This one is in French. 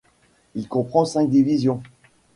Il comprend cinq divisions.